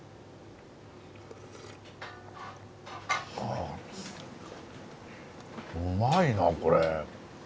あうまいなこれ。